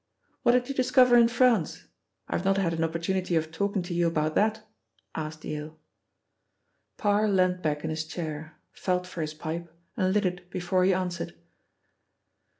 "What did you discover in France? I have not had an opportunity of talking to you about that," asked Yale. Parr leant back in his chair, felt for his pipe, and lit it before he answered.